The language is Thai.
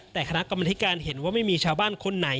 แต่คณะกรรมธิการเห็นว่าไม่มีชาวบ้านคนไหน